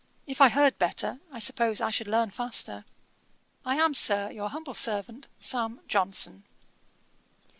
If I heard better, I suppose I should learn faster. I am, Sir, 'Your humble servant, 'SAM. JOHNSON.'